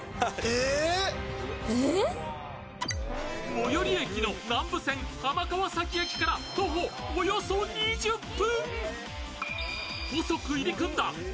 最寄り駅の南武線・浜川崎駅から徒歩およそ２０分。